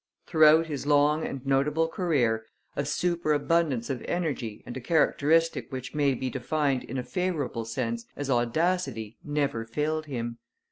Throughout his long and notable career, a superabundance of energy, and a characteristic which may be defined in a favourable sense as audacity, never failed him.